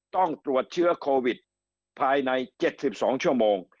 ต้องตรวจเชื้อโควิดภายใน๗๒ชั่วโมง